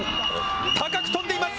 高く飛んでいます。